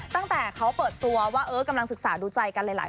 ตั้งแต่เขาเปิดตัวว่ากำลังศึกษาดูใจกันหลาย